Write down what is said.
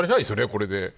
これで。